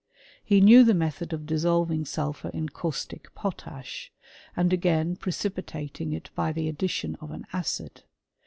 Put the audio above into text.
§ He knew the method of dissolving sulphur in caustic potash, and again precipitating it by the addition of an acid.